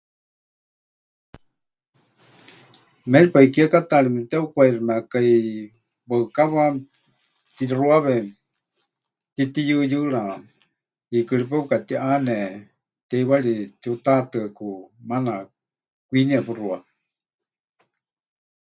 Méripai kiekátaari mepɨteʼukwaiximeékai waɨkawa mɨtixuawe mɨtitiyɨyɨɨra, hiikɨ ri paɨ pɨkatiʼane, teiwari tiutaʼatɨaku maana kwiniya puxuawe.